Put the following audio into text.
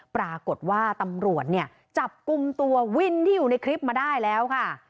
ปรากฏว่าตำรวจเนี่ยจับกลุ่มตัววินที่อยู่ในคลิปมาได้แล้วค่ะ